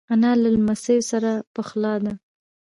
انا له لمسیو سره پخلا ده